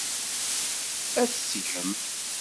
Ad t-tgem.